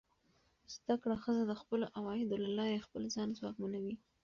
زده کړه ښځه د خپلو عوایدو له لارې خپل ځان ځواکمن کوي.